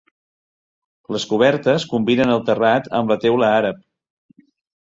Les cobertes combinen el terrat amb la teula àrab.